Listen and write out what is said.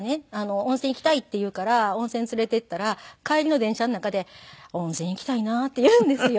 温泉行きたいって言うから温泉連れて行ったら帰りの電車の中で「温泉行きたいな」って言うんですよ。